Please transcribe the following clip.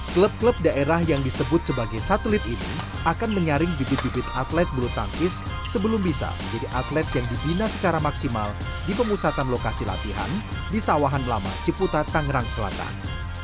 klub klub daerah yang disebut sebagai satelit ini akan menyaring bibit bibit atlet bulu tangkis sebelum bisa menjadi atlet yang dibina secara maksimal di pemusatan lokasi latihan di sawahan lama ciputa tangerang selatan